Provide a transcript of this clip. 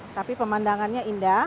tapi pemandangannya indah